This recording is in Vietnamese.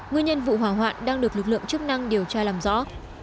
nguyên nhân vụ hỏa hoạn đang được lực lượng chức năng điều tra làm rõ